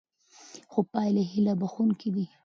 خو پایلې هیله بښوونکې دي.